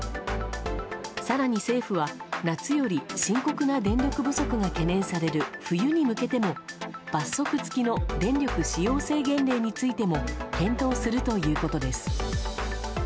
更に政府は夏より深刻な電力不足が懸念される冬に向けても罰則付きの電力使用制限令についても検討するということです。